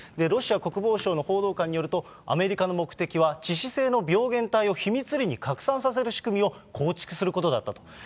ロシア国防省の報道官によると、アメリカの目的は致死性の病原体を秘密裏に拡散させる仕組みを構築することだと。